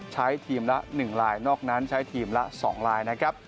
ใช้ทีมละ๑ลายนอกนั้นใช้ทีมละ๒ลายนะครับ